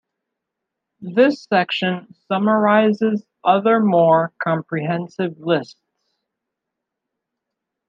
This section summarizes other more comprehensive lists.